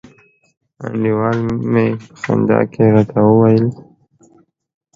انډیوال می په خندا کي راته وویل